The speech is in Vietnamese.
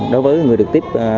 đối với người trực tiếp